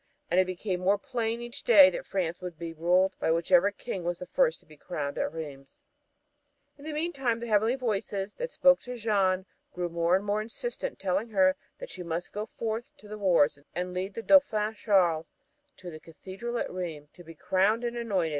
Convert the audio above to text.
And it became more plain each day that France would be ruled by whichever king was the first to be crowned at Rheims. In the meantime the heavenly voices that spoke to Jeanne grew more and more insistent, telling her that she must go forth to the wars and lead the Dauphin Charles to the Cathedral at Rheims to be crowned and anointed.